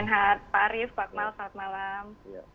terima kasih banyak pak arief pak akmal selamat malam